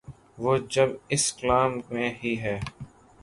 وہ اب اس کلام میں ہی ہے۔